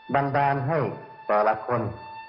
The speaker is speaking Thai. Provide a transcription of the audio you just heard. ันดาลให้แต่ละคน